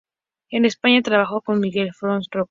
En España y trabajó con Miguel Faust Rocha.